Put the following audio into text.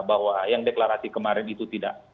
bahwa yang deklarasi kemarin itu tidak